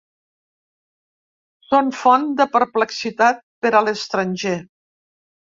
Són font de perplexitat per a l'estranger.